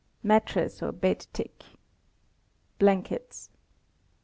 Mattress or bed tick. Blankets.